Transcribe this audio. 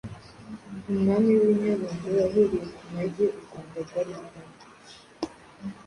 umwami w’i Bunyabungo, wahereye ku mage u Rwanda rwari rurimo